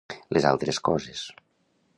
Les altres coses.